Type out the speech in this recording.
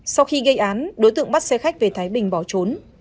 sau khi gây án đối tượng bắt xe khách về thái bình bỏ trốn